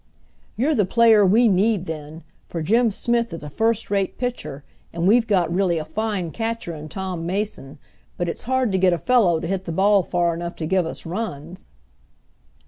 "You're the player we need then, for Jim Smith is a first rate pitcher and we've got really a fine catcher in Tom Mason, but it's hard to get a fellow to hit the ball far enough to give us runs."